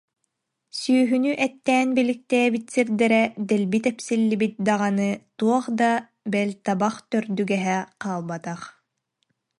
Сүөһүнү эттээн биликтээбит сирдэрэ дэлби тэпсиллибит даҕаны туох да, бэл, табах төрдүгэһэ хаалбатах